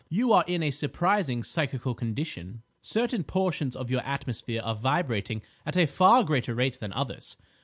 You are in a surprising psychical condition. Certain portions of your atmosphere are vibrating at a far greater rate than others.